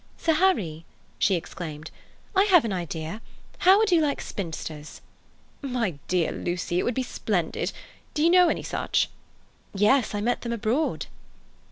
"Sir Harry!" she exclaimed, "I have an idea. How would you like spinsters?" "My dear Lucy, it would be splendid. Do you know any such?" "Yes; I met them abroad."